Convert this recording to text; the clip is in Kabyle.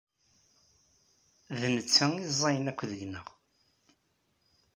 D netta ay ẓẓayen akk deg-neɣ.